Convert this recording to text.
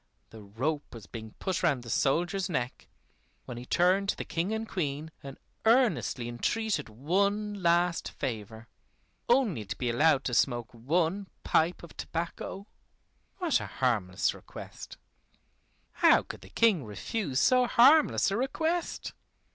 The rope was being put round the soldier's neck, when he turned to the King and Queen and earnestly entreated one last favor only to be allowed to smoke one pipe of tobacco. What a harmless request! How could the King refuse so harmless a request?